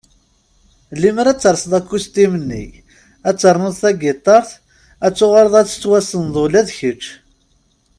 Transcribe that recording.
Limmer ad telseḍ akustim-nni, ad ternuḍ tagitart, ad tuɣaleḍ ad tettwassneḍ ula d kecc!